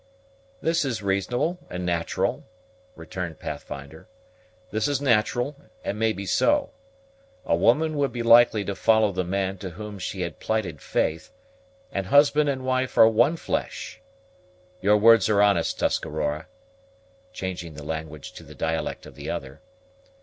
"This is reasonable and natural," returned Pathfinder; "this is natural, and may be so. A woman would be likely to follow the man to whom she had plighted faith, and husband and wife are one flesh. Your words are honest, Tuscarora," changing the language to the dialect of the other.